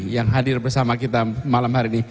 yang hadir bersama kita malam hari ini